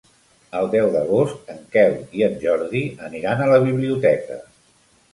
El deu d'agost en Quel i en Jordi aniran a la biblioteca.